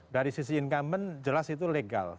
dari sisi incumbent jelas itu legal